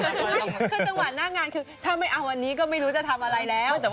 คือจังหวะหน้างานคือถ้าไม่เอาวันนี้ก็ไม่รู้จะทำอะไรแล้ว